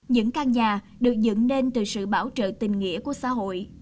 những căn nhà được dựng nên từ sự bảo trợ tình nghĩa của xã hội